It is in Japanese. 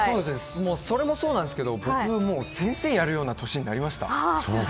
それもそうなんですけど僕も先生やるような年齢になりました。